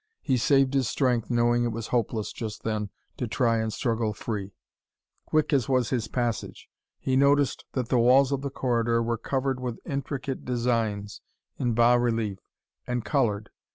He saved his strength knowing it was hopeless just then to try and struggle free. Quick as was his passage, he noticed that the walls of the corridor were covered with intricate designs, in bas relief, and colored.